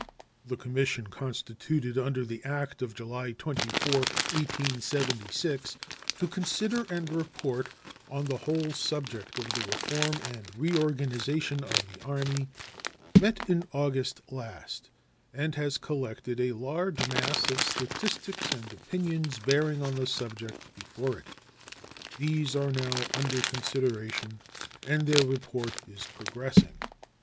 The commission constituted under the act of July 24, 1876, to consider and report on the "whole subject of the reform and reorganization of the Army" met in August last, and has collected a large mass of statistics and opinions bearing on the subject before it. These are now under consideration, and their report is progressing.